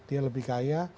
dia lebih kaya